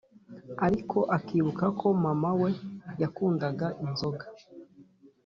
ariko akibuka ko mama we yakundaga inzoga